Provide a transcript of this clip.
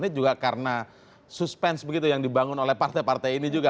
ini juga karena suspense begitu yang dibangun oleh partai partai ini juga